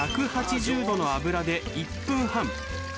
１８０℃の油で１分半。